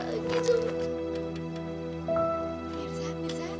aduh nanti saya berik petang